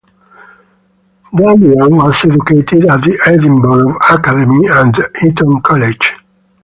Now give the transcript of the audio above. Dalyell was educated at the Edinburgh Academy and Eton College.